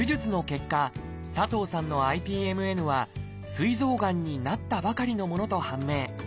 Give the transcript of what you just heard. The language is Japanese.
結果佐藤さんのＩＰＭＮはすい臓がんになったばかりのものと判明。